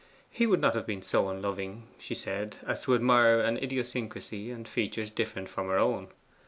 He would not have been so unloving, she said, as to admire an idiosyncrasy and features different from her own.